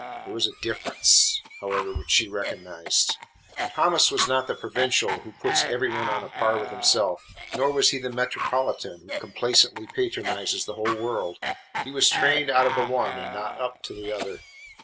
There was a difference, however, which she recognised. Thomas was not the provincial who puts every one on a par with himself, nor was he the metropolitan who complacently patronises the whole world. He was trained out of the one and not up to the other.